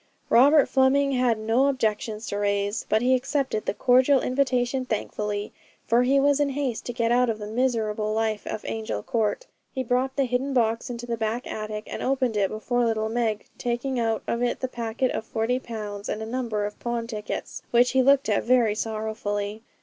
Robert Fleming had no objections to raise, but he accepted the cordial invitation thankfully, for he was in haste to get out of the miserable life of Angel Court. He brought the hidden box into the back attic, and opened it before little Meg, taking out of it the packet of forty pounds, and a number of pawn tickets, which he looked at very sorrowfully.